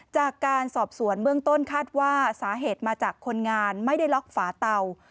จากการสอบสวนเบื้องต้นคาดว่าสาเหตุมาจากคนงานไม่ได้ล็อกฝาเตา